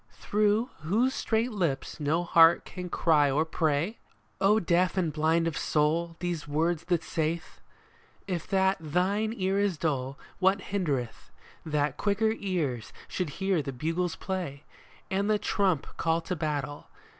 Through whose strait lips no heart can cry or pray? " O deaf and blind of soul, these words that saith ! If that thine ear is dull, what hindereth That quicker ears should hear the bugles play And the trump call to battle